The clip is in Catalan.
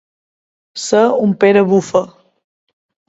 Ser un Pere Bufa.